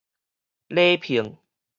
禮聘